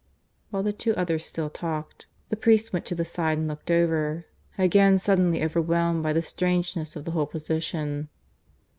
While the two others still talked, the priest went to the side and looked over, again suddenly overwhelmed by the strangeness of the whole position.